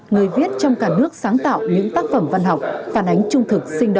người viết trong cả nước sáng tạo những tác phẩm văn học phản ánh trung thực